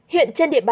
hiện trên địa phương